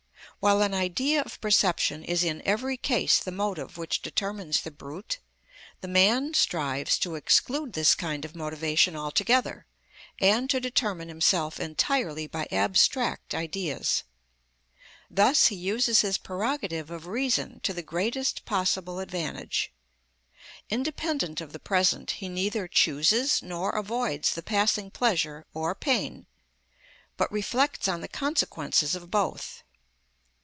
While an idea of perception is in every case the motive which determines the brute, the man strives to exclude this kind of motivation altogether, and to determine himself entirely by abstract ideas. Thus he uses his prerogative of reason to the greatest possible advantage. Independent of the present, he neither chooses nor avoids the passing pleasure or pain, but reflects on the consequences of both.